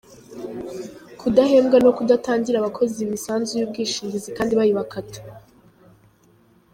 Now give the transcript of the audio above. Kudahemba no kudatangira abakozi imisanzu y’ubwishingizi kandi bayibakata.